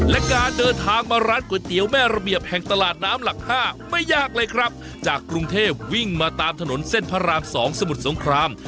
และการเดินทางมาร้านก๋วยเตี๋ยวแม่ระเบียบแห่งตลาดน้ำหลัก๕ไม่ยากเลยครับจากกรุงเทพวิ่งมาตามถนนเส้นพระราม๒สมุทรสงคราม